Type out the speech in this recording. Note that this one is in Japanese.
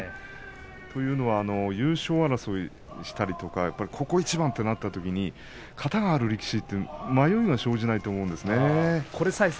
というのは、優勝争いをしたりここ一番となったときに型がある力士は迷いが生じないですね。